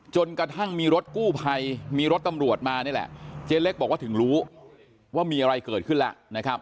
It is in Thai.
จนกระทั่งมีรถกู้ภัยมีรถตำรวจมานี่แหละเจ๊เล็กบอกว่าถึงรู้ว่ามีอะไรเกิดขึ้นแล้วนะครับ